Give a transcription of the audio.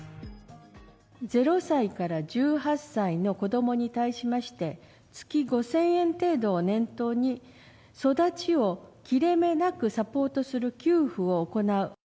０歳から１８歳の子どもに対しまして、月５０００円程度を念頭に育ちを切れ目なくサポートする給付を行う。